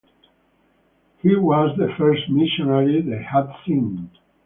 He was the first missionary they had seen.